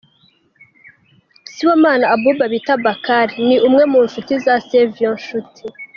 Sibomana Abouba bita Bakary ni umwe mu nshuti za Savio Nshuti.